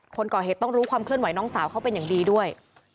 คนก่อเหตุต้องรู้ความเคลื่อนไหวน้องสาวเขาเป็นอย่างดีด้วย